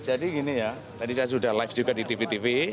jadi gini ya tadi saya sudah live juga di tv tv